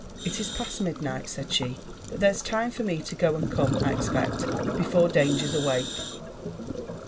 y It is past midnight/' said she, but there's time for me to go and come, I expect^ before dangers awake.